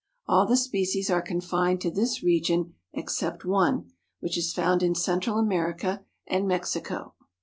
All the species are confined to this region except one, which is found in Central America and Mexico.